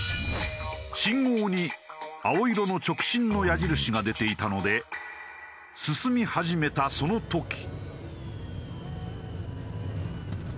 信号に青色の直進の矢印が出ていたので進み始めたその時。